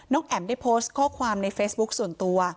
แอ๋มได้โพสต์ข้อความในเฟซบุ๊คส่วนตัว